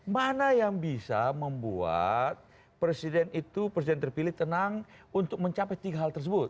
mana yang bisa membuat presiden itu presiden terpilih tenang untuk mencapai tiga hal tersebut